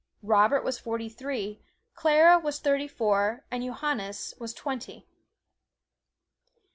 Robert was forty three, Clara was thirty four, and Johannes was twenty.